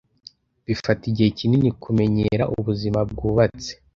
Bifata igihe kinini kumenyera ubuzima bwubatse.